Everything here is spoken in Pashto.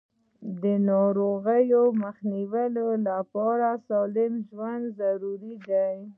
د زړه ناروغیو مخنیوي لپاره سالم ژوند ضروري دی.